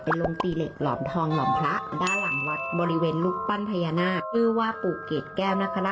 ไปมาเที่ยวอุโรงยาลุยัตมาดามมูลที่นี่นะคะ